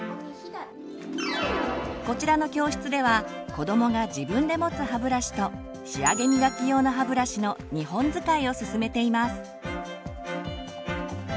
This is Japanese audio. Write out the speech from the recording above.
こちらの教室ではこどもが自分で持つ歯ブラシと仕上げみがき用の歯ブラシの２本使いを勧めています。